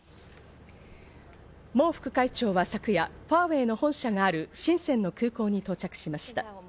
モウ副会長は昨夜、ファーウェイの本社がある深センの空港に到着しました。